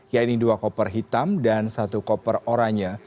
yaitu dua koper hitam dan satu koper oranya